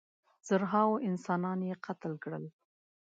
زرهاوو انسانان یې قتل کړل.